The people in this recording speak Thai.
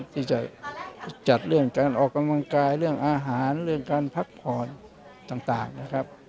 ที่จะจัดเรื่องการออกกำลังกายเรื่องอาหารเรื่องการพักผ่อนต่างนะครับ